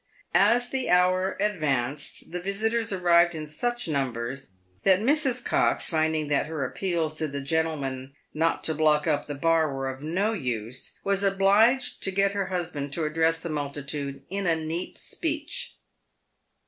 As the hour advanced, the visitors arrived in such numbers, that Mrs. Cox, finding that her appeals to the gentlemen not to block up PAVED WITH GOLD. 151 the bar were of no use, was obliged to get her husband to address the multitude in a neat speech.